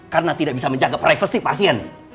karena tidak bisa menjaga privasi pasien